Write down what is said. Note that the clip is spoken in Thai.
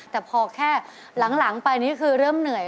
แต่พอแค่หลังไปนี่คือเริ่มเหนื่อย